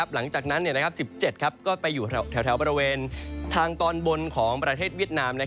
หลังจากนั้น๑๗ก็ไปอยู่แถวบริเวณทางตอนบนของประเทศเวียดนาม